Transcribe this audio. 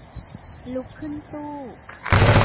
ลุกขึ้นสู้